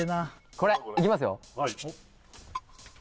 これいきますよ